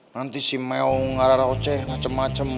nanti si mew ngararoceh macem macem